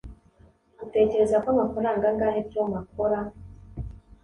utekereza ko amafaranga angahe tom akora